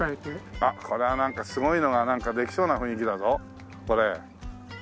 あっこれはなんかすごいのができそうな雰囲気だぞこれ。